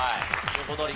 横取り。